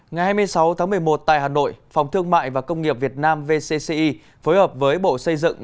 ngày hai mươi sáu tháng một mươi một tại hà nội phòng thương mại và công nghiệp việt nam vcci phối hợp với bộ xây dựng